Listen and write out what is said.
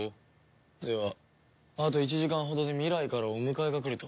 ではあと１時間ほどで未来からお迎えが来ると？